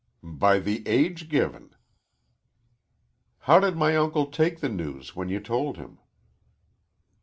"By the age given." "How did my uncle take the news when you told him?"